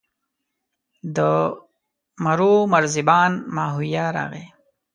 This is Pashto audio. د مرو مرزبان ماهویه راغی.